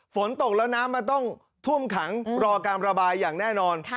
ฝนตกแล้วน้ำมันต้องท่วมขังรอการระบายอย่างแน่นอน